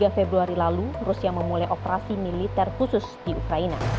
tiga februari lalu rusia memulai operasi militer khusus di ukraina